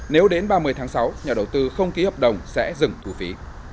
nếu đến ba mươi tháng sáu nhà đầu tư không ký hợp đồng sẽ dừng thu phí